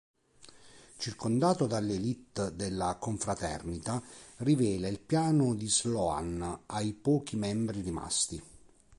Circondato dall'elite della Confraternita, rivela il piano di Sloan ai pochi membri rimasti.